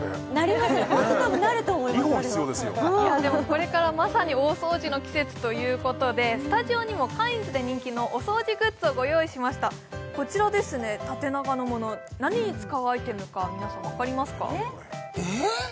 これからまさに大掃除の季節ということでスタジオにもカインズで人気のお掃除グッズをご用意しましたこちらですね縦長のもの何に使うアイテムか皆さんわかりますかえっ？